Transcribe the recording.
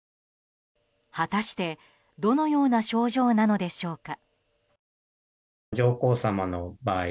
果たしてどのような症状なのでしょうか。